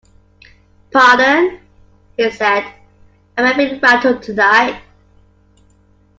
“Pardon,” he said, “I’m a bit rattled tonight”.